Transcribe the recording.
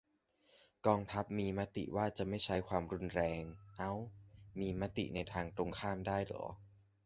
"กองทัพมีมติว่าจะไม่ใช้ความรุนแรง" เอ้า มีมติในทางตรงข้ามได้เหรอ ?